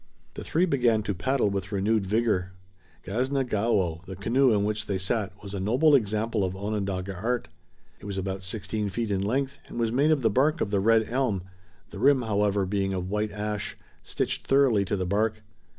The three began to paddle with renewed vigor. Gasna Gaowo, the canoe in which they sat, was a noble example of Onondaga art. It was about sixteen feet in length and was made of the bark of the red elm, the rim, however, being of white ash, stitched thoroughly to the bark.